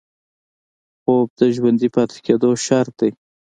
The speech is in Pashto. خوب د ژوندي پاتې کېدو شرط دی